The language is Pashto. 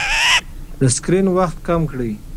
د سکرین وخت کم کړئ.